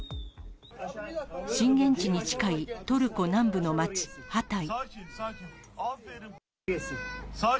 震源地に近いトルコ南部の町、ハタイ。